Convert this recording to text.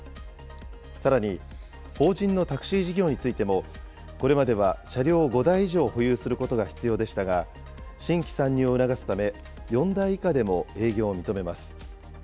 さらに、法人のタクシー事業についても、これまでは車両を５台以上保有することが必要でしたが、新規参入を促すため、４台以下でも営業を認めます。